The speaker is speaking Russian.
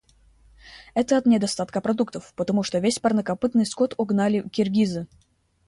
Это от недостатка продуктов, потому что весь парнокопытный скот угнали киргизы.